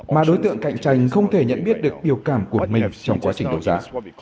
mà đối tượng cạnh tranh không thể nhận biết được biểu cảm của mình trong quá trình đấu giá